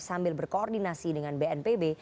sambil berkoordinasi dengan bnpb